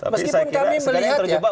meskipun kami melihat ya